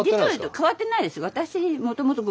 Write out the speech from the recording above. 変わってないです。